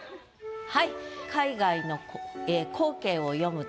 はい。